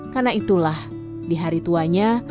karena itulah di hari tuanya